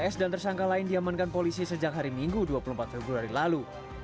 s dan tersangka lain diamankan polisi sejak hari minggu dua puluh empat februari lalu